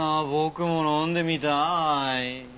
僕も飲んでみたーい。